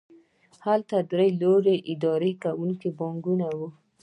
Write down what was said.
هلته درې لوی اداره کوونکي بانکونه وو